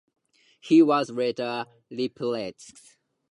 He was later replaced.